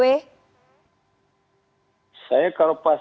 karena saya sudah berusaha